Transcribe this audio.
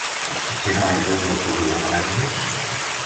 A quina hora arriba l'autobús de Meranges?